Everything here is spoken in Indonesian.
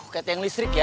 kayak tiang listrik ya